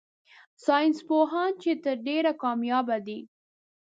ساينس پوهان چي تر ډېره کاميابه دي